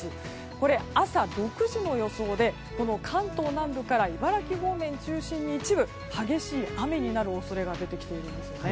これ、朝６時の予想でこの関東南部から茨城方面中心に一部、激しい雨になる恐れが出てきているんですね。